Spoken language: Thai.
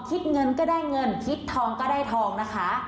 คิดเงินก็ได้เงินคิดทองก็ได้ทองนะคะ